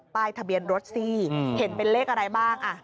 ป้ายทะเบียนรถสิเห็นเป็นเลขอะไรบ้าง